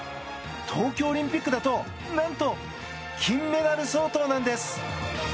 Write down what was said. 東京オリンピックだと何と金メダル相当なんです。